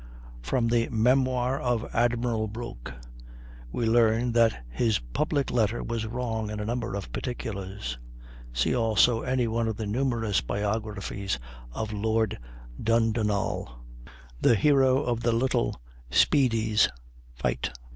From the "Memoir of Admiral Broke" we learn that his public letter was wrong in a number of particulars. See also any one of the numerous biographies of Lord Dundonald, the hero of the little Speedy's fight.